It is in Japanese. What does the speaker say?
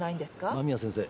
間宮先生。